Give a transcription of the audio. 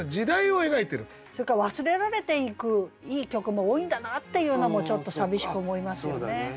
それから忘れられていくいい曲も多いんだなっていうのもちょっと寂しく思いますよね。